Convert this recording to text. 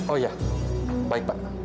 oh iya baik pak